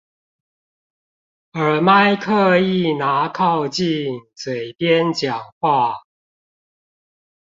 耳麥刻意拿靠近嘴邊講話